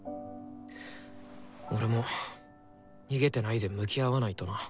俺も逃げてないで向き合わないとな。